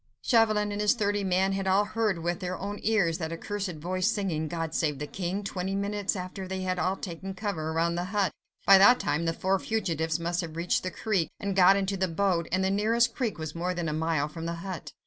Chauvelin and his thirty men had all heard with their own ears that accursed voice singing "God save the King," fully twenty minutes after they had all taken cover around the hut; by that time the four fugitives must have reached the creek, and got into the boat, and the nearest creek was more than a mile from the hut.